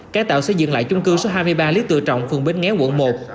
cải tạo xây dựng lại chung cư số hai mươi ba lý tựa trọng phường bến nghé quận một